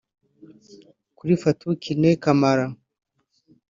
Kuri Fatou Kiné Camara